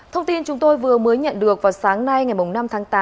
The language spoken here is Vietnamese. thông tin chúng tôi vừa mới nhận được vào sáng nay ngày năm tháng tám